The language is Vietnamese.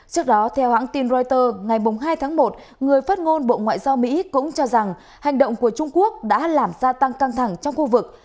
trước đó theo hãng tin reuters ngày hai tháng một người phát ngôn bộ ngoại giao mỹ cũng cho rằng hành động của trung quốc đã làm gia tăng căng thẳng trong khu vực